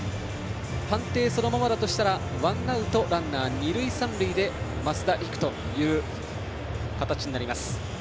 判定そのままだとしたらワンアウトランナー、二塁三塁で増田陸という形になります。